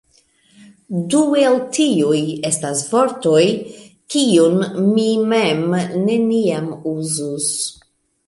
Du el tiuj estas vortoj, kiujn mi mem neniam uzus.